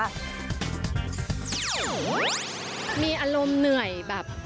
มีอารมณ์เหนื่อยแบบ